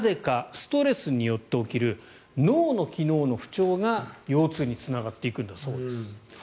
ストレスによって起きる脳の機能の不調が腰痛につながっていくんだそうです。